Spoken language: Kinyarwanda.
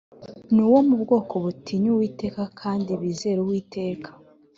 nuwo mu bwoko butinya uwiteka kandi bizera uwiteka